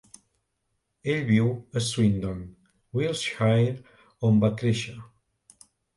Ell viu a Swindon, Wiltshire, on va créixer.